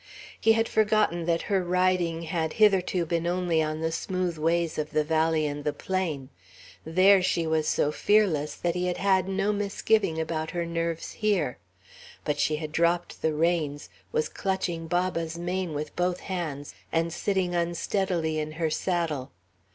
He had forgotten that her riding had hitherto been only on the smooth ways of the valley and the plain, There she was so fearless, that he had had no misgiving about her nerves here; but she had dropped the reins, was clutching Baba's mane with both hands, and sitting unsteadily in her saddle.